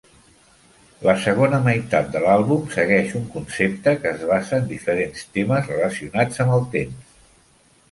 La segona meitat de l'àlbum segueix un concepte que es basa en diferents temes relacionats amb el temps.